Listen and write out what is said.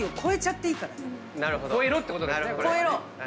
超えろってことですね。